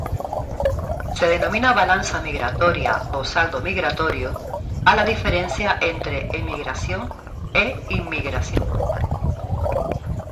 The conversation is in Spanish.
Se denomina balanza migratoria o saldo migratorio a la diferencia entre emigración e inmigración.